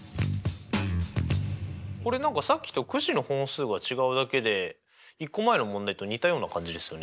これ何かさっきとくじの本数が違うだけで１個前の問題と似たような感じですよね。